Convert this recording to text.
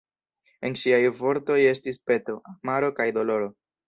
En ŝiaj vortoj estis peto, amaro kaj doloro.